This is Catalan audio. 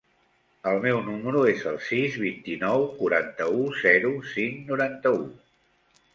El meu número es el sis, vint-i-nou, quaranta-u, zero, cinc, noranta-u.